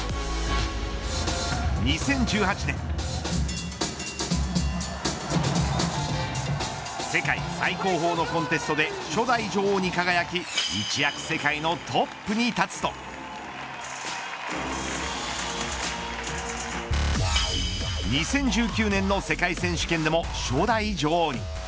２０１８年世界最高峰のコンテストで初代女王に輝き一躍世界のトップに立つと２０１９年の世界選手権でも初代女王に。